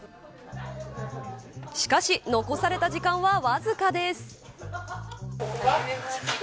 しかし残された時間はわずかです。